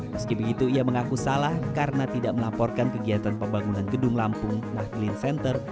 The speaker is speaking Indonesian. meski begitu ia mengaku salah karena tidak melaporkan kegiatan pembangunan gedung lampung nahdlin center